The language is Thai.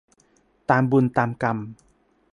ตามบุญตามกรรม